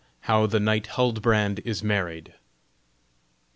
HOW THE KNIGHT HULDBRAND IS MARRIED.